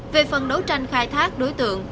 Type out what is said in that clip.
về phần đấu tranh khai thác đối tượng